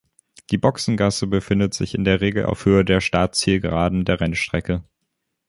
Die Boxengasse befindet sich in der Regel auf Höhe der Start-Ziel-Geraden der Rennstrecke.